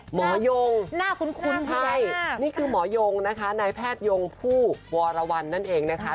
หมอยงน่าคุ้นใช่นี่คือหมอยงนะคะนายแพทยงผู้วรวรรณนั่นเองนะคะ